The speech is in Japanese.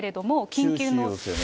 緊急の。